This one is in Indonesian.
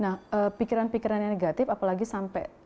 yang terjadi pada diri dan keluar dalam bentuk bicara pada diri sendiri